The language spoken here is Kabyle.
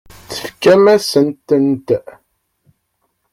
Tefkam-asent-tent?